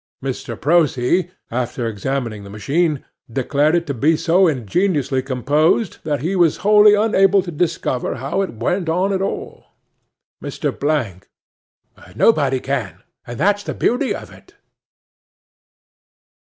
'MR. PROSEE, after examining the machine, declared it to be so ingeniously composed, that he was wholly unable to discover how it went on at all. 'MR. BLANK.—Nobody can, and that is the beauty of it.